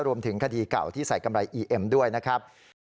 รวมถึงคดีเก่าที่ใส่กำไรอีเอ็มด้วยนะครับ